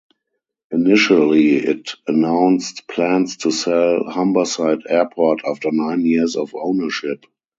Initially it announced plans to sell Humberside Airport after nine years of ownership.